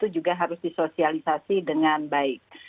juga harus disosialisasi dengan baik